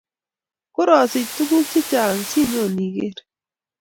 Korasich tukuk che chang si nyon iker